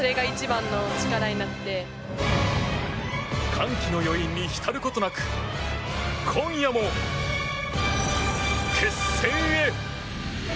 歓喜の余韻に浸ることなく今夜も決戦へ！